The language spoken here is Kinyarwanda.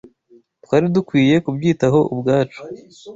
Twari dukwiye kubyitaho ubwacu.